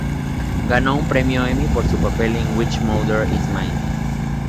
Ganó un Premio Emmy por su papel en "Which Mother Is Mine?